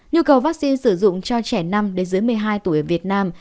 nhu cầu vaccine sử dụng cho trẻ năm đến dưới một mươi hai tuổi ở việt nam